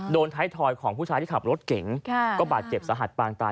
โดนท้ายทอยของผู้ชายที่ขับรถเก่งก็บาดเจ็บสาหัสปางตาย